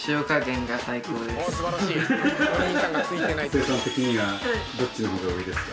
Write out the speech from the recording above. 成さん的にはどっちの方が上ですか？